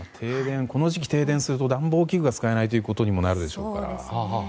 この時期停電すると暖房器具が使えないということになるでしょうから。